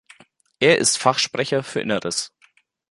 Er ist Fachsprecher für Inneres.